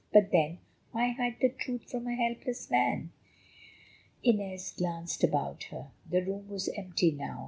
But then, why hide the truth from a helpless man?" Inez glanced about her; the room was empty now.